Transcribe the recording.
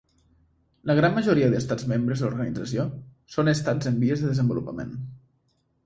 La gran majoria d'estats membres de l'organització són estats en vies de desenvolupament.